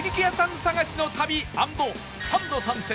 探しの旅アンドサンド参戦